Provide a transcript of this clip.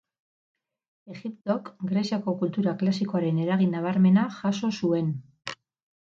Egiptok greziako kultura klasikoaren eragin nabarmena jaso zuen.